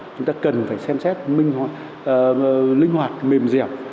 chúng ta cần phải xem xét linh hoạt mềm dẻo